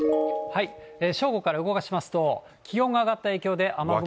正午から動かしますと、気温が上がった影響で、雨雲が。